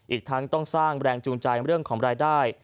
อีกทั้งต้องสร้างแรงจูงใจเรื่องของรายได้